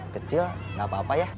kecil nggak apa apa ya